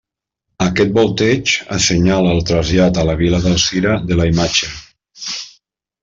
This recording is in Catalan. Aquest volteig assenyala el trasllat a la vila d'Alzira de la imatge.